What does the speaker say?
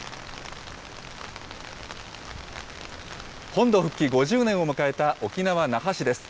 本土復帰５０年を迎えた、沖縄・那覇市です。